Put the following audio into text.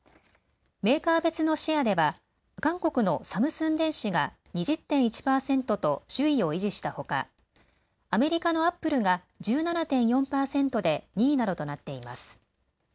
メーカー別のシェアでは韓国のサムスン電子が２０．１％と首位を維持したほかアメリカのアップルが１７．４％で、２位などとなっています。